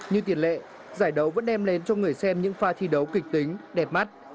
như tiền lệ giải đấu vẫn đem đến cho người xem những pha thi đấu kịch tính đẹp mắt